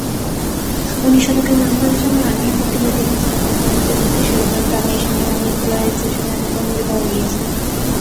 উনিশ শতকের মাঝামাঝি সময়ে আলো সম্পর্কে বৈজ্ঞানিক চিন্তাভাবনার উন্নতি ঘটতে শুরু করে, কারণ এই সময়ে আলোর "পোলারাইজেশন"-এর ব্যাখ্যা খুঁজে পাওয়া গিয়েছিল।